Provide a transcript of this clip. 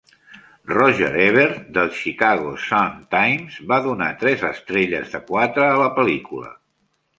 Roger Ebert del "Chicago Sun Times" va donar tres estrelles de quatre a la pel·lícula.